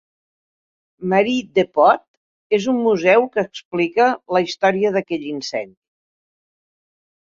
Marie Depot és un museu que explica la història d'aquell incendi.